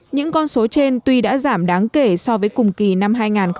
những con số trên tuy đã giảm đáng kể so với cùng kỳ năm hai nghìn một mươi tám